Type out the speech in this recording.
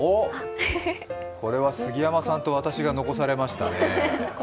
これは杉山さんと私が残されましたね。